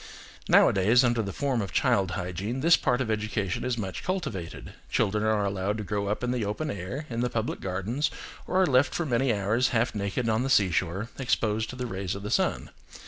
Nowadays, under the form of child hygiene, this part of education is much cultivated: children are allowed to grow up in the open air, in the public gardens, or are left for many hours half naked on the seashore, exposed to the rays of the sun.